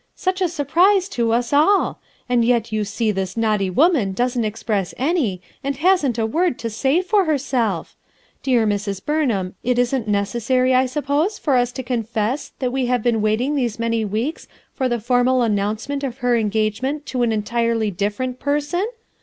"Such a surprise to us all ! and yet you see this naughty woman doesn't express any, and hasn't a word to say for herself f Dear Mrs, Burnham, it isn't necessary I suppose for us to confess that we have been waiting these many weeks for the formal announcement of her engagement to an entirely different person?